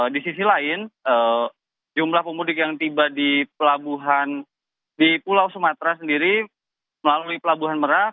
di sisi lain jumlah pemudik yang tiba di pelabuhan di pulau sumatera sendiri melalui pelabuhan merak